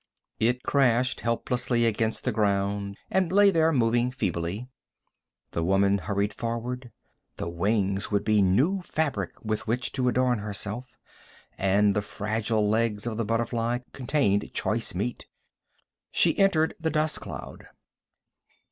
It crashed helplessly against the ground and lay there, moving feebly. The woman hurried forward. The wings would be new fabric with which to adorn herself, and the fragile legs of the butterfly contained choice meat. She entered the dust cloud.